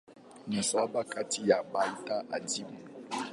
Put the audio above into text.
Huhesabiwa kati ya metali adimu.